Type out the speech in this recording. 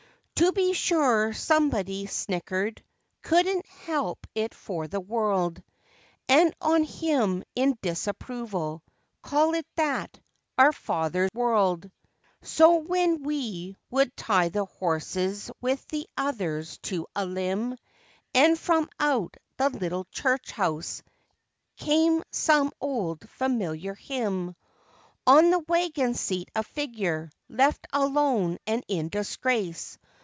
To be sure somebody snickered; couldn't help it for the world; And on him in disapproval—call it that— our father whirled; So when we would tie the horses with the others to a limb. And from out the little church house came some old familiar hymn. On the wagon seat a figure, left alone and in disgrace.